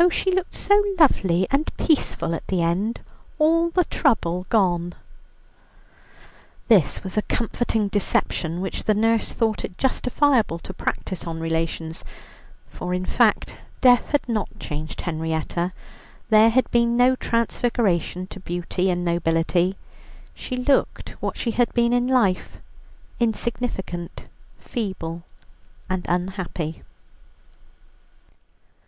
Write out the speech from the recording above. Oh, she looked so lovely and peaceful at the end, all the trouble gone." This was a comforting deception, which the nurse thought it justifiable to practise on relations, for in fact death had not changed Henrietta; there had been no transfiguration to beauty and nobility, she looked what she had been in life insignificant, feeble, and unhappy.